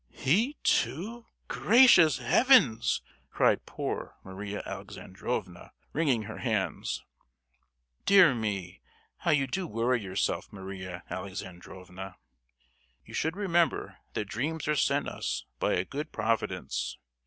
"He, too—gracious Heaven!" cried poor Maria Alexandrovna, wringing her hands. "Dear me, how you do worry yourself, Maria Alexandrovna. You should remember that dreams are sent us by a good Providence.